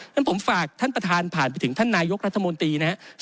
ฉะผมฝากท่านประธานผ่านไปถึงท่านนายกรัฐมนตรีนะครับ